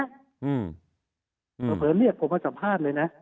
เขาเผยเรียกผมมาสัมภาพเลยนะ